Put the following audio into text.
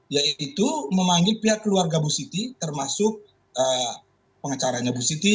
yaitu memanggil pihak keluarga bu siti termasuk pengacaranya bu siti